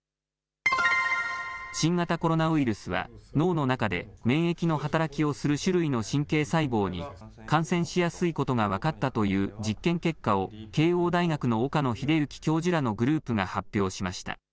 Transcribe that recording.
新型コロナウイルスは脳の中で免疫の働きをする種類の神経細胞に感染しやすいことが分かったという実験結果を慶応大学の岡野栄之教授らのグループが発表しました。